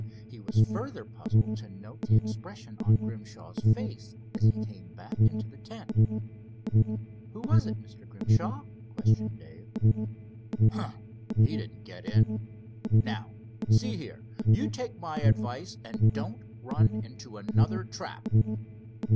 He was further puzzled to note the expression on Grimshaw's face as he came back into the tent. "Who was it, Mr. Grimshaw?" questioned Dave. "Humph! he didn't get in. Now see here, you take my advice and don't run into another trap."